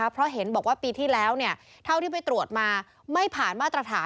เพราะเห็นปีที่แล้วที่ไปตรวจที่ไม่ผ่านมาตรฐาน